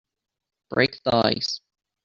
Break the ice